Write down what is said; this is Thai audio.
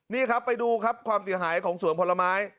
นี่ครับไปดูครับความเสียหายของสวนผลไม้